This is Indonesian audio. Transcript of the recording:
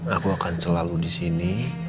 aku akan selalu di sini